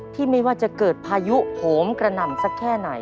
ไม่ว่าจะเกิดพายุโหมกระหน่ำสักแค่ไหน